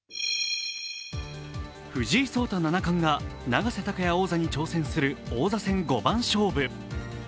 藤井聡太七冠が永瀬拓矢王座に挑戦する王座戦五番勝負。